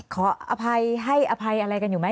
ขออภัยให้อภัยอะไรกันอยู่ไหม